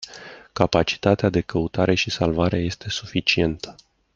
Capacitatea de căutare și salvare este suficientă.